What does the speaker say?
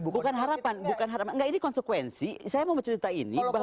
bukan harapan bukan harapan nggak ini konsekuensi saya mau mencerita ini bahwa